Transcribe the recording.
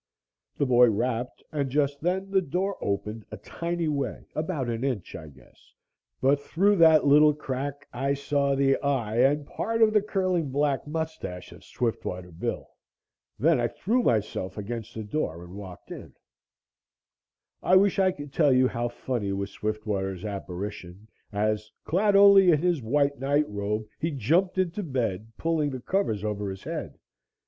The boy rapped and just then the door opened a tiny way about an inch, I guess, but through that little crack I saw the eye and part of the curling black moustache of Swiftwater Bill. Then I threw myself against the door and walked in. [Illustration: "COME OUT OF THAT, BILL! I HAVEN'T GOT A GUN."] I wish I could tell you how funny was Swiftwater's apparition, as, clad only in his white night robe, he jumped into bed, pulling the covers over his head.